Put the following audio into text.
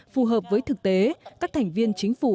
phù hợp với thực tế các thành viên chính phủ